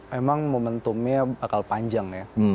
memang momentumnya bakal panjang ya